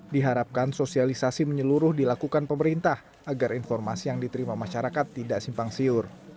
diharapkan sosialisasi menyeluruh dilakukan pemerintah agar informasi yang diterima masyarakat tidak simpang siur